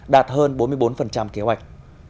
đạt hơn bốn mươi bốn kế hoạch